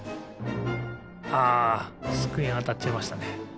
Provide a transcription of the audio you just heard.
あつくえにあたっちゃいましたね。